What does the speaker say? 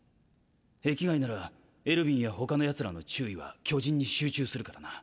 壁外ならエルヴィンや他のヤツらの注意は巨人に集中するからな。